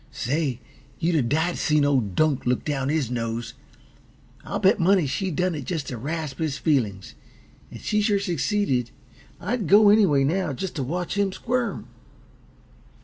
Say, you'd a died to seen old Dunk look down his nose! I'll bet money she done it just t' rasp his feelin's and she sure succeeded. I'd go anyway, now, just t' watch him squirm."